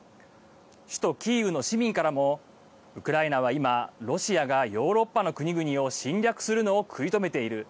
首都キーウの市民からもウクライナは今ロシアがヨーロッパの国々を侵略するのを食い止めている。